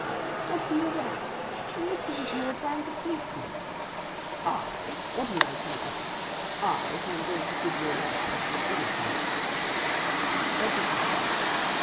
"What do you want? It looks as if you were trying to fleece me?" "I? What an idea! I, who am going to give you another piece of good advice." "What is it?"